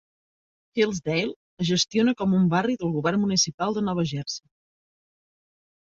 Hillsdale es gestiona com un barri del govern municipal de Nova Jersey.